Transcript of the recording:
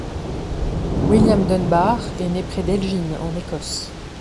William Dunbar est né près d'Elgin en Écosse.